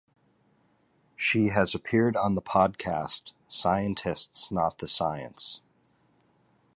She has appeared on the podcast "Scientists Not the Science".